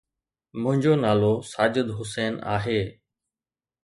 منهنجو نالو ساجد حسين آهي.